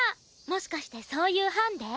もしかしてそういうハンデ？